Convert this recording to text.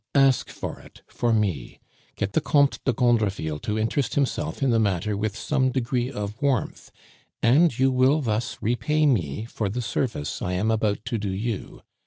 "Ask for it for me; get the Comte de Gondreville to interest himself in the matter with some degree of warmth and you will thus repay me for the service I am about to do you.